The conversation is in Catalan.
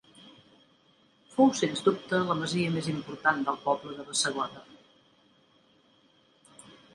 Fou sens dubte la masia més important del poble de Bassegoda.